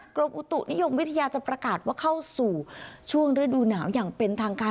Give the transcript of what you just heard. กรมอุตุนิยมวิทยาจะประกาศว่าเข้าสู่ช่วงฤดูหนาวอย่างเป็นทางการ